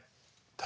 誰？